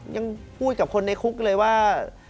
ยังพูดกับคนในคุกเลยว่า